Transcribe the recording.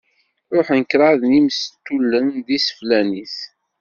Ṛuḥen kṛaḍ n yimestulen d iseflan-is.